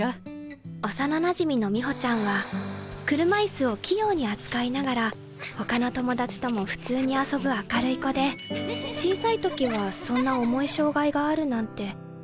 幼なじみの美穂ちゃんは車椅子を器用に扱いながら他の友達とも普通に遊ぶ明るい子で小さい時はそんな重い障害があるなんてよく分かってなくて。